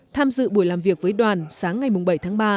tham dự buổi làm việc với đoàn sáng ngày bảy tháng ba